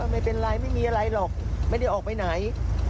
ไม่เป็นไรไม่มีอะไรหรอกไม่ได้ออกไปไหน